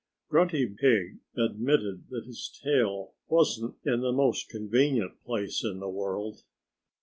Grunty Pig admitted that his tail wasn't in the most convenient place in the world.